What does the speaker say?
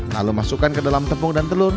lalu masukkan ke dalam tepung dan telur